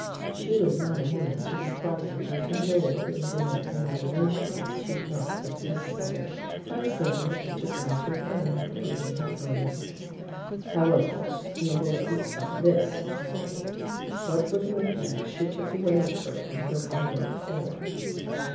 She was not a woman to be frightened or cajoled into making revelations she did not think necessary, and seeing it, Mr. Gryce refrained from urging her further. "However, you will at least tell me this," said he, "what were the knick knacks she took away with her from her bureau drawer?"